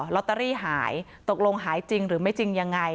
ลอตเตอรี่หายตกลงหายจริงหรือไม่จริงยังไง